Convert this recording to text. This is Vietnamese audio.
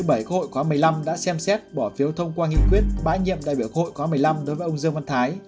đại biểu quốc hội khoảng một mươi năm đã xem xét bỏ phiếu thông qua nghị quyết bãi nhiệm đại biểu quốc hội khoảng một mươi năm đối với ông dương văn thái